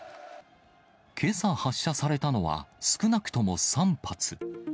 けさ発射されたのは、少なくとも３発。